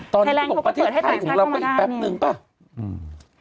ไทยแลงก็เปิดให้สถานกล้องมาได้